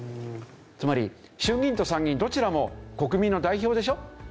つまり衆議院と参議院どちらも国民の代表でしょ？